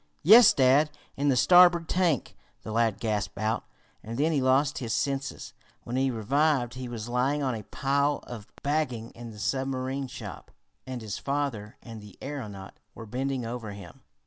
"Yes, dad! In the starboard tank!" the lad gasped out, and then he lost his senses. When he revived he was lying on a pile of bagging in the submarine shop, and his father and the aeronaut were bending over him.